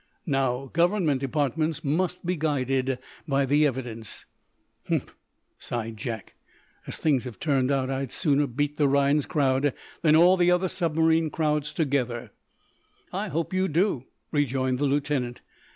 Now, government departments must be guided by evidence." "Humph!" sighed Jack. "As things have turned out, I'd sooner beat the Rhinds crowd than all the other submarine crowds together." "I hope you do," rejoined the Lieutenant.